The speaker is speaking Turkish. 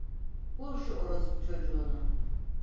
Vur şu orospu çocuğunu!